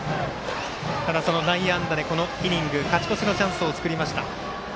内野安打で、このイニング勝ち越しのチャンスを作りました。